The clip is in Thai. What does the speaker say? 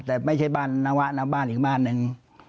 แต่ไม่ใช่บ้านนวะนะบ้านอีกบ้านหนึ่ง